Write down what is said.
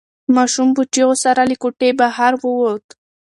ماشوم په چیغو سره له کوټې بهر ووت.